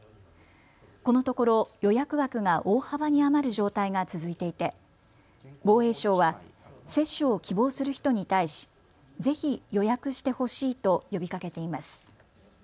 このところ予約枠が大幅に余る状態が続いていて防衛省は接種を希望する人に対しぜひ予約してほしいと呼びかけています。